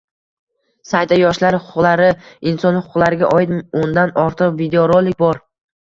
Saytda yoshlar huquqlari, inson huquqlariga oid oʻndan ortiq videorolik bor